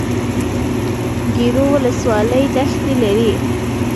ګیرو ولسوالۍ دښتې لري؟